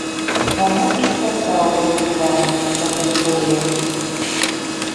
Таму і сказаў быў вам тады тое.